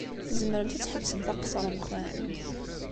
Tzemremt ad tḥebsemt aqeṣṣeṛ-nkent?